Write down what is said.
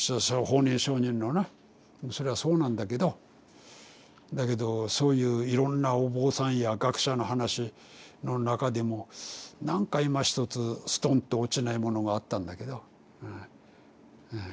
それはそうなんだけどだけどそういういろんなお坊さんや学者の話の中でもなんかいまひとつすとんと落ちないものがあったんだけどうんうん。